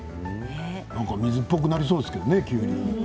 なんか水っぽくなりそうですけどね